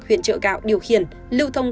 huyện trựa gạo điều khiển lưu thông